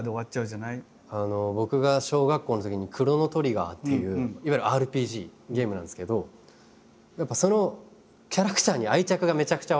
僕が小学校のときに「クロノ・トリガー」っていういわゆるＲＰＧゲームなんですけどやっぱそのキャラクターに愛着がめちゃくちゃ湧くんですよね。